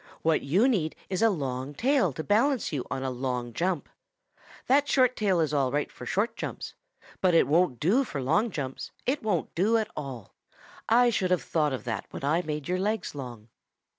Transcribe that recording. What you need is a long tail to balance you on a long jump. That short tail is all right for short jumps, but it won't do for long jumps. It won't do at all. I should have thought of that when I made your legs long.'